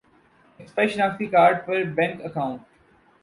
expire شناختی card پر bank account